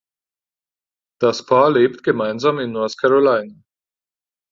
Das Paar lebt gemeinsam in North Carolina.